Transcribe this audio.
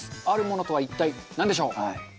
あるものとは一体なんでしょう？